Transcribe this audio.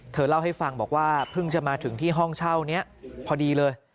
เธอเล่าให้ฟังบอกว่าเพิ่งจะมาถึงที่ห้องเช่านี้พอดีเลย